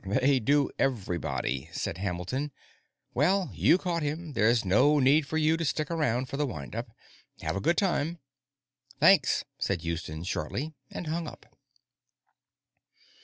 "They do everybody," said Hamilton. "Well, you caught him; there's no need for you to stick around for the windup. Have a good time." "Thanks," said Houston shortly, and hung up.